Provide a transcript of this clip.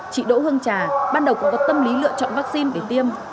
chị đỗ hương trà ban đầu cũng có tâm lý lựa chọn vaccine để tiêm